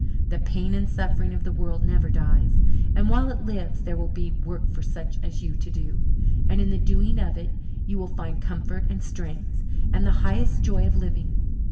The pain and suffering of the world never dies, and while it lives there will be work for such as you to do, and in the doing of it you will find comfort and strength and the highest joy of living.